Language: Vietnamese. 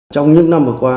trong những năm vừa qua